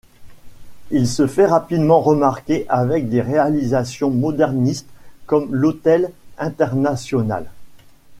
Il se fait rapidement remarquer avec des réalisations modernistes comme l'Hotel Internacional.